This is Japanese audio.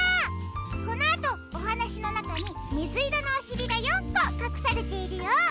このあとおはなしのなかにみずいろのおしりが４こかくされているよ。